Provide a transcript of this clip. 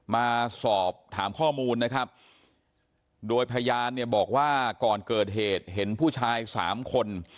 มาสอบถามข้อมูลนะครับโดยพยานเนี่ยบอกว่าก่อนเกิดเหตุเห็นผู้ชายสามคน